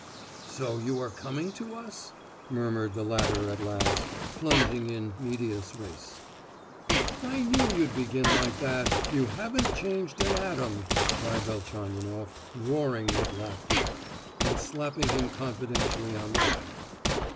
"So you are coming to us?" murmured the latter at last, plunging in medias res. "I knew you'd begin like that! you haven't changed an atom!" cried Velchaninoff, roaring with laughter, and slapping him confidentially on the back.